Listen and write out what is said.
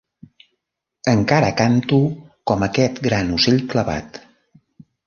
Encara canto com aquest gran ocell clapat.